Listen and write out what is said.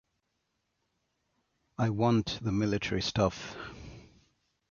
I want the military stuff.